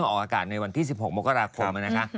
ออกอากาศในวันที่๑๖มกราคมนะคะ